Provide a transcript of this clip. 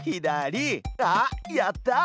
あっやった！